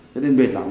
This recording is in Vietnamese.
cho nên mệt lắm